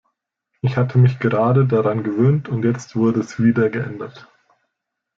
Ich hatte mich gerade daran gewöhnt und jetzt wurde es wieder geändert.